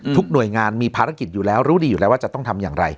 หน่วยงานมีภารกิจอยู่แล้วรู้ดีอยู่แล้วว่าจะต้องทำอย่างไร